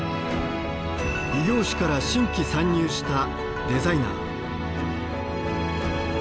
異業種から新規参入したデザイナー。